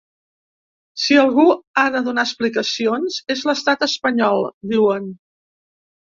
Si algú ha de donar explicacions, és l’estat espanyol, diuen.